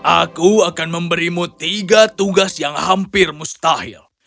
aku akan memberimu tiga tugas yang hampir mustahil